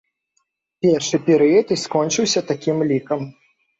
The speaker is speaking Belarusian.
Першы перыяд і скончыўся такім лікам.